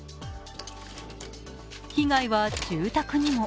被害は住宅にも